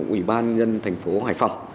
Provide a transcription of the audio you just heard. ủy ban dân thành phố hải phòng